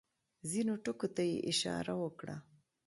ځینو ټکو ته یې اشاره وکړه.